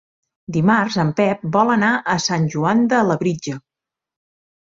Dimarts en Pep vol anar a Sant Joan de Labritja.